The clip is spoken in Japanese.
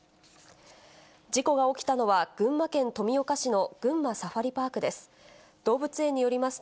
事故が起きたのは、群馬県富岡市の群馬サファリパークです。